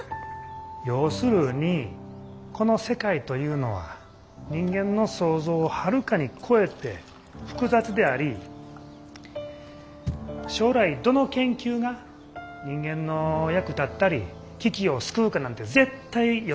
要するにこの世界というのは人間の想像をはるかに超えて複雑であり将来どの研究が人間の役立ったり危機を救うかなんて絶対予測でけへん。